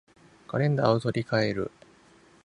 カレンダーを取り換える